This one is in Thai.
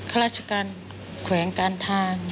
ข้าราชการแขวงการทาง